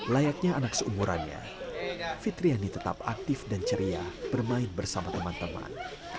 layaknya anak seumurannya fitriani tetap aktif dan ceria bermain bersama teman teman